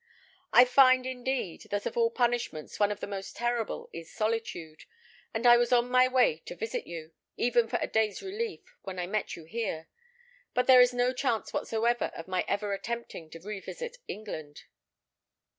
I find, indeed, that of all punishments one of the most terrible is solitude; and I was on my way to visit you, even for a day's relief, when I met you here. But there is no chance whatsoever of my even attempting to revisit England."